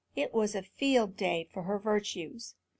It was a field day for her virtues.